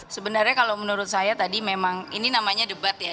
sebenarnya kalau menurut saya tadi memang ini namanya debat ya